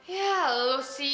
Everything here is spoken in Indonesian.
ya lu sih